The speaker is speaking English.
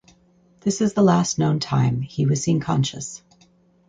This is the last known time he was seen conscious.